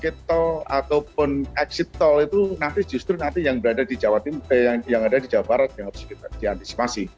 getol getol ataupun exitol itu nanti justru yang berada di jawa barat yang harus kita diantisipasi